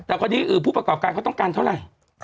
แต่พอดีผู้ประกอบการเขาต้องการเท่าไหร่